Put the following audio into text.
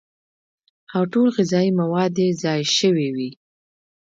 او ټول غذائي مواد ئې ضايع شوي وي